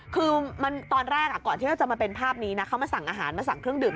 คือตอนแรกก่อนที่เราจะมาเป็นภาพนี้นะเขามาสั่งอาหารมาสั่งเครื่องดื่